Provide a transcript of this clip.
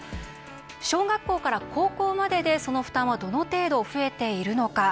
小学校から高校まででその負担はどの程度増えているのか。